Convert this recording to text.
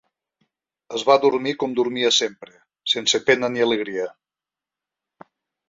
Es va dormir com dormia sempre: sense pena ni alegria.